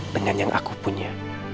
dengan yang aku punya